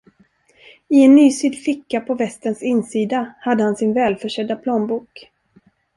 I en nysydd ficka på västens insida hade han sin välförsedda plånbok.